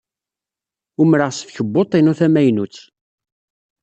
Umreɣ s tkebbuḍt-inu tamaynut.